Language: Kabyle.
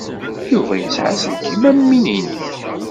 Yuba yesɛa aselkim am win-nnek.